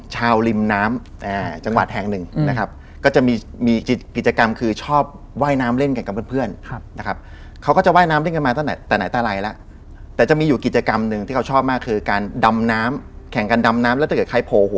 หลายรอบมาก